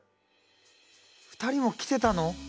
２人も来てたの！？